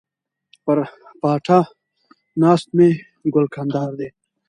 پر پاتا ناست مي ګل کندهار دی